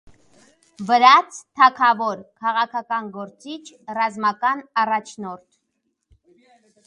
Վրաց թագավոր, քաղաքական գործիչ, ռազմական առաջնորդ։